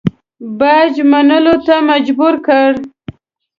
باج منلو ته مجبور کړ.